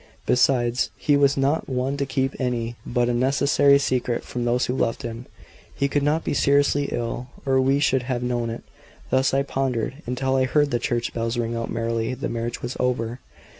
Besides, he was not one to keep any but a necessary secret from those who loved him. He could not be seriously ill, or we should have known it. Thus I pondered, until I heard the church bells ring out merrily. The marriage was over.